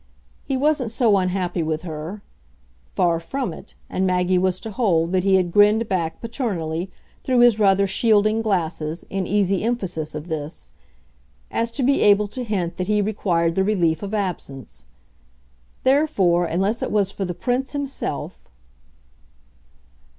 He wasn't so unhappy with her far from it, and Maggie was to hold that he had grinned back, paternally, through his rather shielding glasses, in easy emphasis of this as to be able to hint that he required the relief of absence. Therefore, unless it was for the Prince himself